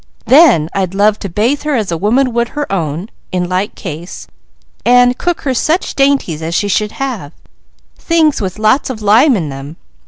Then I'd love to bathe her as a woman would her own, in like case; and cook her such dainties as she should have: things with lots of lime in them.